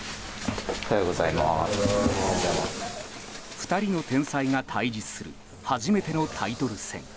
２人の天才が対峙する初めてのタイトル戦。